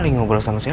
kembali ke buddha